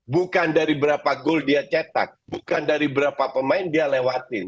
bukan dari berapa gol dia cetak bukan dari berapa pemain dia lewatin